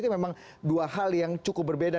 memang dua hal yang cukup berbeda